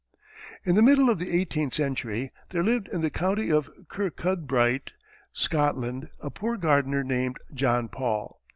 In the middle of the eighteenth century, there lived in the county of Kirkcudbright, Scotland, a poor gardener named John Paul.